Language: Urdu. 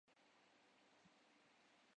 سعودی عرب نے پاکستان کو مزید مشکل میں ڈال دیا ہے